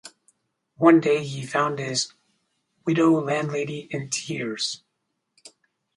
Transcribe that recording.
One day he found his widow-landlady in tears.